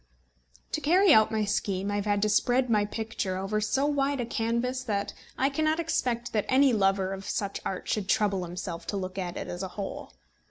To carry out my scheme I have had to spread my picture over so wide a canvas that I cannot expect that any lover of such art should trouble himself to look at it as a whole.